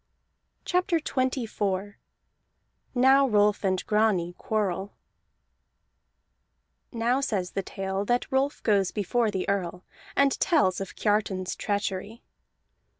CHAPTER XXIV NOW ROLF AND GRANI QUARREL Now says the tale that Rolf goes before the Earl, and tells of Kiartan's treachery.